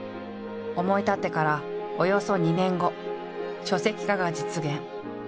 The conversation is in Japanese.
思い立ってからおよそ２年後書籍化が実現。